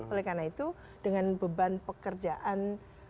oleh karena itu dengan beban pekerjaan